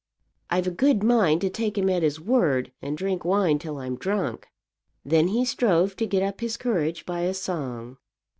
"I've a good mind to take him at his word, and drink wine till I'm drunk." Then he strove to get up his courage by a song.